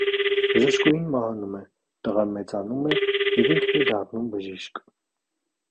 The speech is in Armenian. Բժշկուհին մահանում է, տղան մեծանում է և ինքն է դառնում բժիշկ։